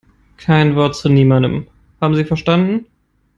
Kein Wort zu niemandem, haben Sie verstanden?